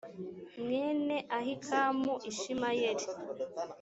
mwene ahikamu ishimayeli